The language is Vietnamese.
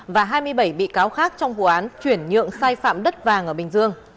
và hai mươi bảy bị cáo khác trong vụ án chuyển nhượng sai phạm đất vàng ở bình dương